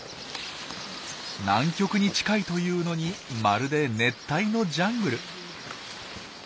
南極に近いというのにまるで熱帯のジャングル。